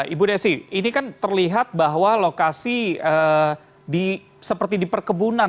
ibu desi ini kan terlihat bahwa lokasi seperti di perkebunan